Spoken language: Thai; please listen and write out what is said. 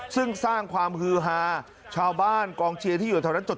ซึ่งสร้างความฮือฮาชาวบ้านกองเชียร์ที่อยู่แถวนั้นจด